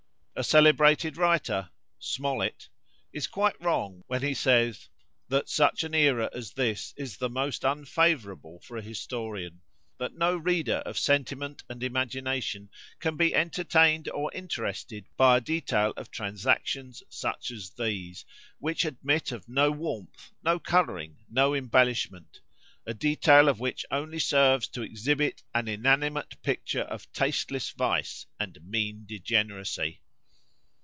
A celebrated writer is quite wrong when he says, "that such an era as this is the most unfavourable for a historian; that no reader of sentiment and imagination can be entertained or interested by a detail of transactions such as these, which admit of no warmth, no colouring, no embellishment; a detail of which only serves to exhibit an inanimate picture of tasteless vice and mean degeneracy."